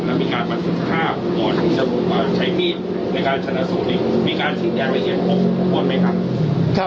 สมมุติว่าใช้พิษในการชนะสูตรมีการสิ่งแดดละเอียดของคุณไหมครับ